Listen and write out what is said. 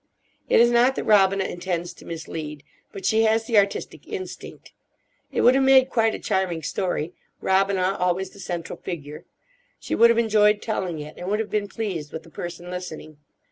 It is not that Robina intends to mislead, but she has the artistic instinct. It would have made quite a charming story; Robina always the central figure. She would have enjoyed telling it, and would have been pleased with the person listening.